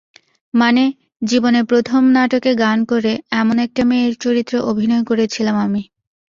মানে, জীবনের প্রথম নাটকে গান করে—এমন একটা মেয়ের চরিত্রে অভিনয় করেছিলাম আমি।